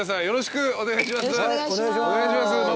よろしくお願いします。